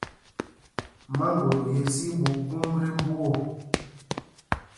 Maŋgolo yes í í ɓuu gum tí mbú o.